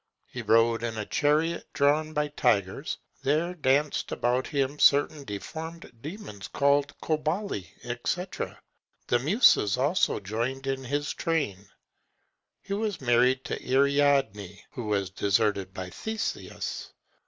He rode in a chariot drawn by tigers. There danced about him certain deformed demons called Cobali, &c. The Muses also joined in his train. He married Ariadne, who was deserted by Theseus.